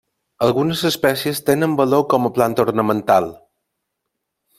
Algunes espècies tenen valor com a planta ornamental.